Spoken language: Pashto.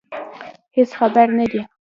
هېڅ خبر نه دي.